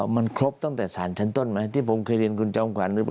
มันครบตั้งแต่สารชั้นต้นไหมที่ผมเคยเรียนคุณจอมขวัญ